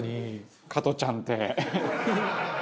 加トちゃんって」